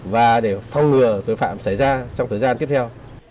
và để phong ngừa tội phạm xảy ra trong thời gian tiếp theo